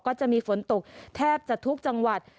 ก็จะมีฝนตกแทบจะทุกจังหวัด